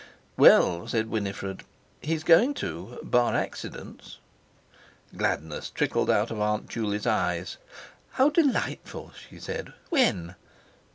"Well," said Winifred, "he's going to—bar accidents." Gladness trickled out of Aunt Juley's eyes. "How delightful!" she said. "When?"